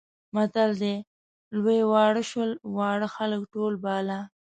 متل دی لوی واړه شول، واړه خلک شول بالا.